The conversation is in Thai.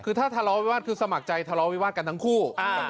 คือถ้าทะเลาวิวาสคือสมัครใจทะเลาวิวาสกันทั้งคู่